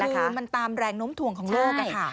คือมันตามแรงน้มถ่วงของโลก